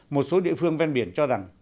một số địa phương ven biển cho rằng